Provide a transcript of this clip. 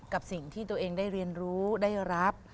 กับสิ่งที่ตัวเองได้เรียนรู้ได้รับ